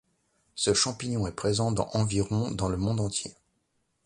Ce champignon est présent dans environ dans le monde entier.